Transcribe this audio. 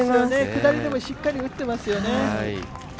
下りでもしっかり打っていますよね。